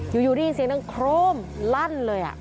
อยู่นี่เสียงตั้งโครมลั่นเลย